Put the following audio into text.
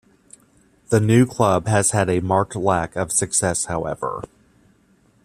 The new club has had a marked lack of success, however.